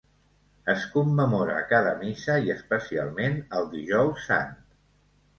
Es commemora a cada missa i especialment el Dijous Sant.